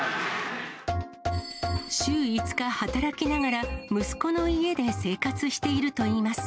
週５日働きながら、息子の家で生活しているといいます。